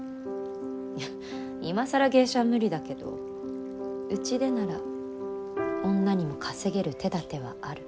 いや今更芸者は無理だけどうちでなら女にも稼げる手だてはある。